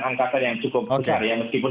angkatan yang cukup besar ya meskipun